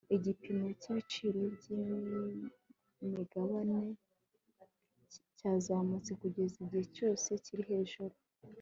igipimo cyibiciro byimigabane cyazamutse kugeza igihe cyose kiri hejuru